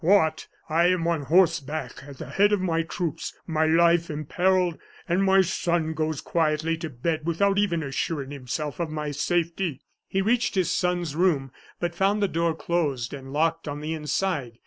What! I am on horseback at the head of my troops, my life imperilled, and my son goes quietly to bed without even assuring himself of my safety!" He reached his son's room, but found the door closed and locked on the inside.